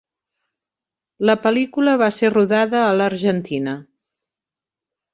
La pel·lícula va ser rodada a l'Argentina.